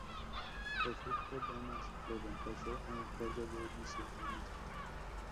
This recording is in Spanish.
Rodolfo Illanes lo reemplazó en el cargo de viceministro.